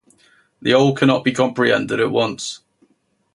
The whole cannot be comprehended at once.